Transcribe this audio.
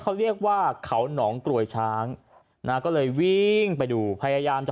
เขาเรียกว่าเขาหนองกลวยช้างนะก็เลยวิ่งไปดูพยายามจะ